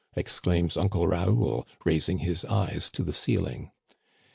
" exclaims Uncle Raoul, raising his eyes to the ceiling.